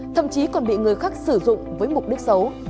thậm chí còn bị người khác sử dụng với mục đích xấu